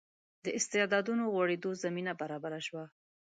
د استعدادونو غوړېدو زمینه برابره شوه.